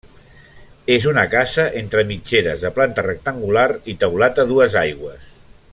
És una casa, entre mitgeres, de planta rectangular i teulat a dues aigües.